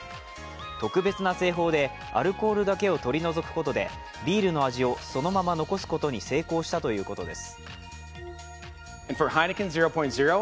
特別な製法でアルコールだけを取り除くことでビールの味をそのまま残すことに成功したということです。